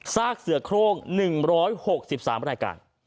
ซากเสือโครง๑๖๓รายการ